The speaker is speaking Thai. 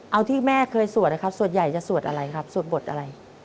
เอาที่แม่เคยสวดนะครับส่วนใหญ่จะสวดอะไรครับสวดบทอะไร